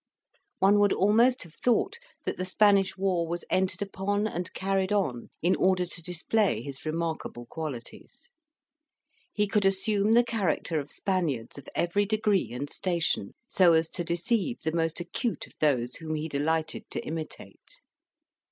One would almost have thought that the Spanish war was entered upon and carried on in order to display his remarkable qualities. He could assume the character of Spaniards of every degree and station, so as to deceive the most acute of those whom he delighted to imitate.